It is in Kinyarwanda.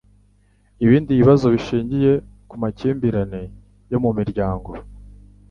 ibindi bibazo bishingiye ku makimbirane yo mu miryango.